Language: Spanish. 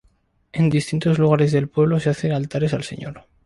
En distintos lugares del pueblo se hacen altares al Señor.